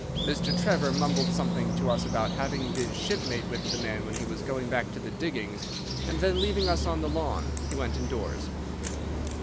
Mr. Trevor mumbled something to us about having been shipmate with the man when he was going back to the diggings, and then, leaving us on the lawn, he went indoors.